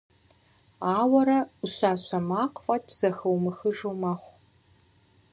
Ауэрэ ӏущащэ макъ фӏэкӏ зэхыумыхыж мэхъу.